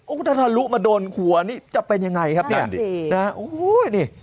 โอ้โฮถ้าลูกมาโดนหัวนี่จะเป็นอย่างไรครับเนี่ยนะฮะโอ้โฮนี่